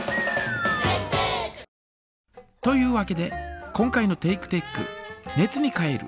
というわけで今回のテイクテック「熱に変える」